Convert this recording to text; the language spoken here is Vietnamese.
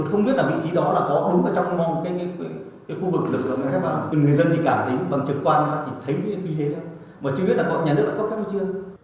không biết vị trí đó có đúng trong mọi khu vực người dân cảm thấy bằng trực quan thấy như thế chứ không biết nhà nước cấp phép hay chưa